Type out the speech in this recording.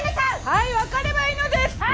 はい分かればいいのです！